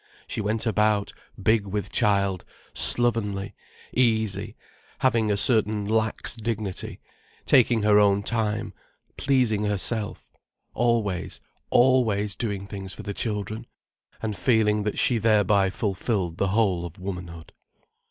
She went about, big with child, slovenly, easy, having a certain lax dignity, taking her own time, pleasing herself, always, always doing things for the children, and feeling that she thereby fulfilled the whole of womanhood.